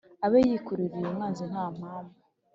abe yikururiye umwanzi nta mpamvu,